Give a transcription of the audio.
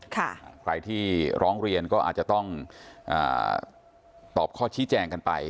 ใครที่ร้องเรียนก็อาจจะต้องตอบข้อชี้แจงกันไป